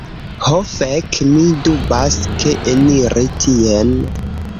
Ho fek' mi dubas, ke eniri tien